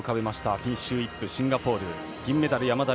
ピンシュー・イップシンガポール。